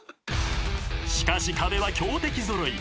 ［しかし壁は強敵揃い。